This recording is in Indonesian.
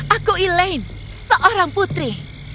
aku elaine seorang putri